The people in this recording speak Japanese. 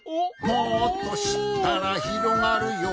「もっとしったらひろがるよ」